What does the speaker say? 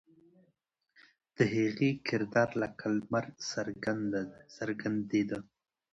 د هغې کردار لکه لمر څرګندېده.